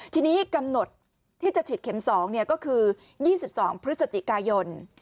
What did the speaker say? ทีนี้กำหนดที่จะฉีดเข็ม๒ก็คือ๒๒พฤศจิกายน